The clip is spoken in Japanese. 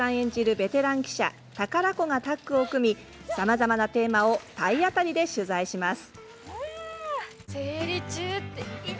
ベテラン記者宝子がタッグを組みさまざまなテーマを体当たりで取材します。